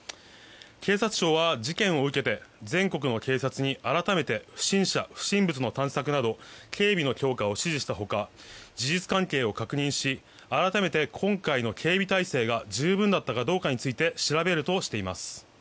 警察庁は、事件を受けて全国の警察に改めて不審者、不審物の探索など警備の強化を指示した他事実関係を確認し改めて、今回の警備態勢が十分だったかどうかについて調べるとしています。